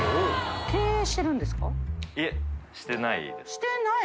してない。